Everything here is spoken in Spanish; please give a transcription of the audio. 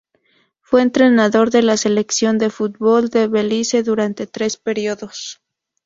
Fue entrenador de la Selección de fútbol de Belice durante tres periodos.